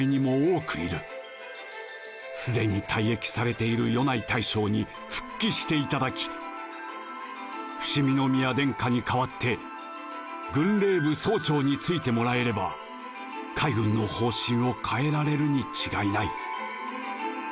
すでに退役されている米内大将に復帰していただき伏見宮殿下に代わって軍令部総長に就いてもらえれば海軍の方針を変えられるに違いない。